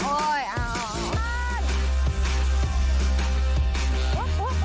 โอ๊ยอ้าว